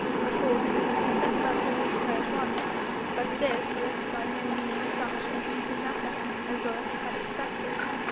Of course he set about relieving her at once, but this was by no means such an easy matter as Dorothy had expected.